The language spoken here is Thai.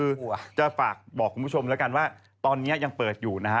มัดกว่าเหลือผมอ่ะคือจะฝากบอกคุณผู้ชมแล้วกันว่าตอนเนี้ยยังเปิดอยู่นะฮะ